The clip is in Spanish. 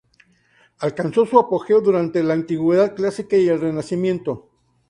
Alcanzó su apogeo durante la Antigüedad clásica y el Renacimiento.